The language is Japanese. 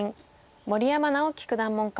森山直棋九段門下。